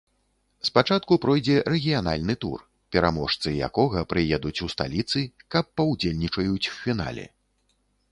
Спачатку пройдзе рэгіянальны тур, пераможцы якога прыедуць у сталіцы, каб паўдзельнічаюць у фінале.